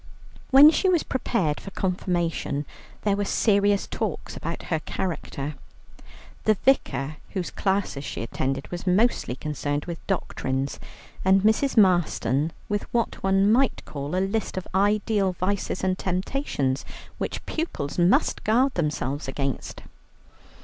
When she was prepared for Confirmation, there were serious talks about her character. The Vicar, whose classes she attended, was mostly concerned with doctrines, and Mrs. Marston with what one might call a list of ideal vices and temptations which pupils must guard themselves against.